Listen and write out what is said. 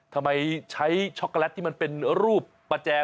ใช้ช็อกโกแลตที่มันเป็นรูปประแจ